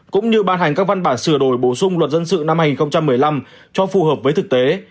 cũng như ban hành các văn bản sửa đổi bổ sung luật dân sự năm hai nghìn một mươi năm cho phù hợp với thực tế